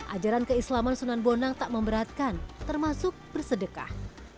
ajaran keislaman sunan bonang tak memberatkan termasuk bersedekah